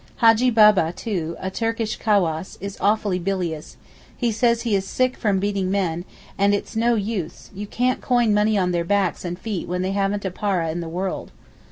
Hajjee Baba too, a Turkish cawass, is awfully bilious; he says he is 'sick from beating men, and it's no use, you can't coin money on their backs and feet when they haven't a para in the world.